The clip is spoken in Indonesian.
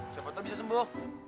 siapa tau bisa sembuh